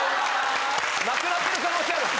・なくなってる可能性ある？